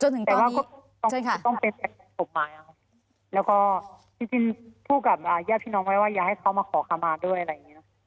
แต่ว่าต้องเป็นแบบสมบัติแล้วก็พูดกับแยกพี่น้องว่าอย่าให้เขามาขอขมาด้วย